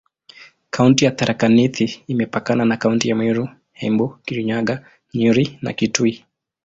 Kaunti ya Tharaka Nithi imepakana na kaunti za Meru, Embu, Kirinyaga, Nyeri na Kitui.